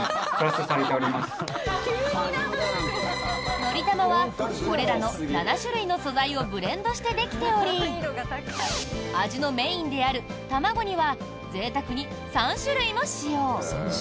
「のりたま」はこれらの７種類の素材をブレンドしてできており味のメインである卵にはぜいたくに３種類も使用！